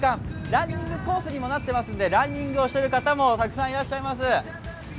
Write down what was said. ランニングコースにもなっていますのでランニングをしていらっしゃる方もたくさんいます。